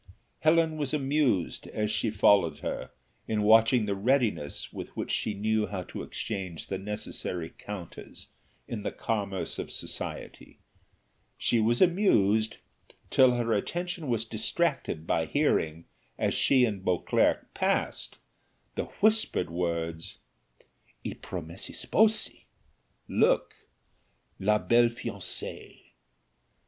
Helen was amused, as she followed her, in watching the readiness with which she knew how to exchange the necessary counters in the commerce of society: she was amused, till her attention was distracted by hearing, as she and Beauclerc passed, the whispered words "I promessi sposi look La belle fiancée."